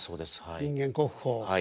人間国宝。